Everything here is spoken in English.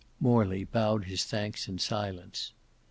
Morley bowed his thanks in silence.